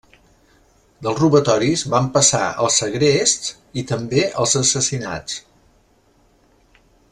Dels robatoris van passar als segrests i també als assassinats.